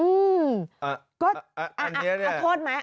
อืมเอาโทษไหม